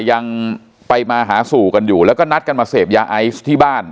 ยังไปมาหาสู่กันอยู่แล้วก็นัดกันมาเสพยาไอซ์ที่บ้าน